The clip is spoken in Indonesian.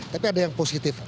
tapi ada yang positif